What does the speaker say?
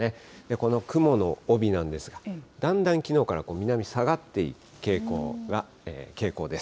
この雲の帯なんですが、だんだんきのうから南に下がっていく傾向です。